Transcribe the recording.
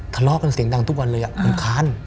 ทะเลาะกันเสียงดังทุกวันเลยรำคาญ